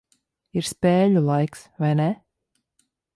Ir spēļu laiks, vai ne?